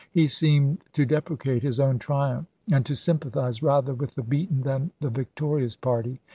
He seemed to deprecate his own triumph and to sympathize rather with the beaten than the victorious party.